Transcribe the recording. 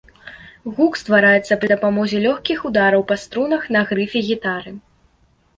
Гук ствараецца пры дапамозе лёгкіх удараў па струнах на грыфе гітары.